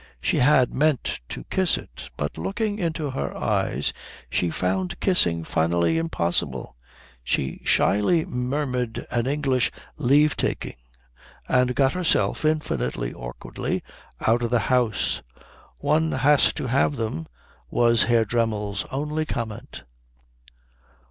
She had meant to kiss it, but looking into her eyes she found kissing finally impossible. She shyly murmured an English leave taking and got herself, infinitely awkwardly, out of the house. "One has to have them," was Herr Dremmel's only comment.